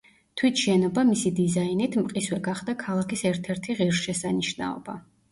თვით შენობა, მისი დიზაინით, მყისვე გახდა ქალაქის ერთ-ერთი ღირსშესანიშნაობა.